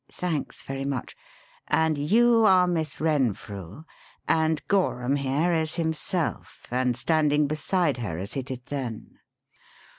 Thanks very much and you are Miss Renfrew, and Gorham here is himself, and standing beside her as he did then."